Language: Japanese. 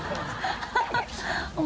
ハハハ